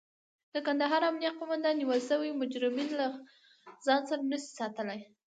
د کندهار امنيه قوماندان نيول شوي مجرمين له ځان سره نشي ساتلای.